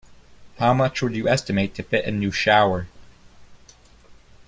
How much would you estimate to fit a new shower?